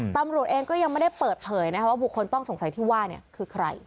ตำรวจเองก็ยังไม่ได้เปิดเผยนะคะว่าบุคคลต้องสงสัยที่ว่าคือใคร